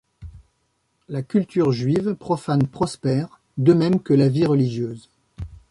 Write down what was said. La culture juive profane prospère, de même que la vie religieuse.